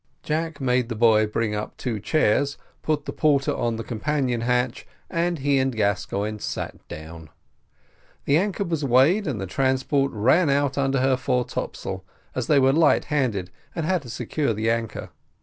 Jack made the boy bring up two chairs, put the porter on the companion hatch, and he and Gascoigne sat down. The anchor was weighed, and the transport ran out under her fore topsail, as they were light handed, and had to secure the anchor.